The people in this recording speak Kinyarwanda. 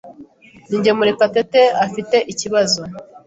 Ninjye Murekatete afite ikibazo.